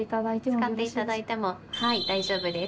使っていただいても大丈夫です。